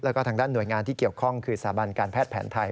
แล้วก็ทางด้านหน่วยงานที่เกี่ยวข้องคือสถาบันการแพทย์แผนไทย